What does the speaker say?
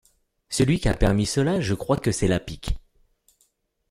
Celui qui a permis cela, je crois que c'est Lapicque.